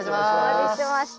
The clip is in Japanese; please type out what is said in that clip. お待ちしてました。